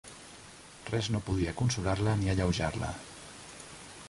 Res podia consolar-la ni alleujar-la